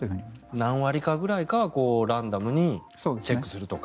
何割かくらいはランダムにチェックするとか。